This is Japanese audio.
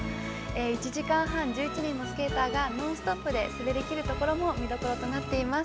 １時間半１１人のスケーターがノンストップで滑りきるところも見どころとなっています。